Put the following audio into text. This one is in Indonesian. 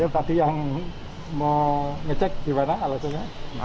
tadi yang mau ngecek gimana alasannya